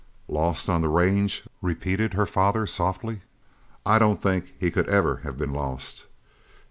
"Lost on the range?" repeated her father softly. "I don't think he could ever have been lost.